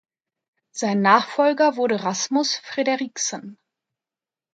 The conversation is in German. Sein Nachfolger wurde Rasmus Frederiksen.